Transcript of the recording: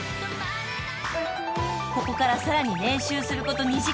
［ここからさらに練習すること２時間］